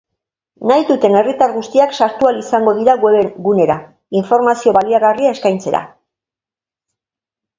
Nahi duten herritar guztiak sartu ahal izango dira webgunera, informazio baliagarria eskaintzera.